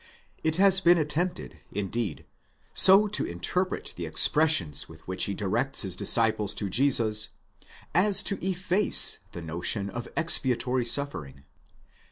It has been attempted, indeed, so to interpret the expressions with which he directs his disciples to. Jesus, as to efface the notion of expiatory suffering.